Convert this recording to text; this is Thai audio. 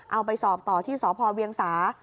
เอาไปสอบต่อที่สพเวียงสา